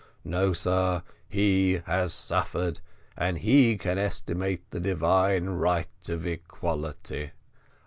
no, sir, he has suffered, and he can estimate the divine right of equality.